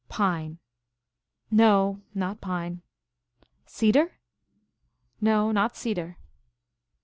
"Pine?" " No, not pine." "Cedar?" " No, not cedar."